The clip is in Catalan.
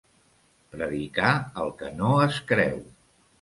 Predicar el que no es creu.